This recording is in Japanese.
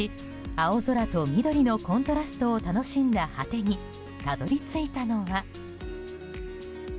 青空と緑のコントラストを楽しんだ果てにたどり着いたのが。